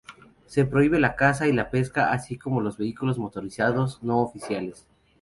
Se prohíbe la caza y la pesca, así como los vehículos motorizados no oficiales.